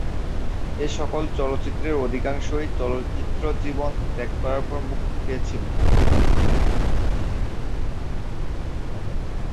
এ সকল চলচ্চিত্রের অধিকাংশই চলচ্চিত্র জীবন ত্যাগ করার পর মুক্তি পেয়েছিল।